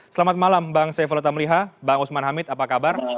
selamat malam bang saifullah tamliha bang usman hamid apa kabar